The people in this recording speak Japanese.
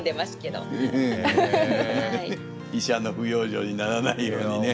医者の不養生にならないようにね。